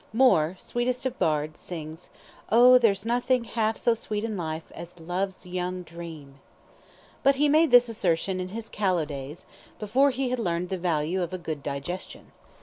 Moore, sweetest of bards, sings "Oh, there's nothing half so sweet in life As love's young dream." But he made this assertion in his callow days, before he had learned the value of a good digestion.